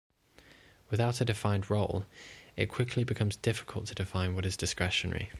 Without a defined role, it quickly becomes difficult to define what is discretionary.